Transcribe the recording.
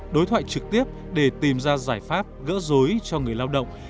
đối thoại trực tiếp để tìm ra giải pháp gỡ rối cho người lao động